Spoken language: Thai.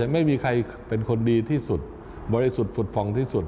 ไม่มีใครเป็นคนดีที่สุดบริวัตน์สุดพูดฟองที่สุด